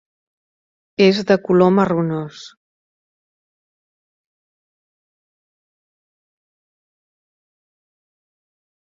És de color marronós.